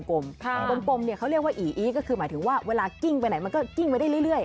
กลมเขาเรียกว่าอี๊คือเวลากลิ้งไปไหนมันก็ไม่ได้เรื่อย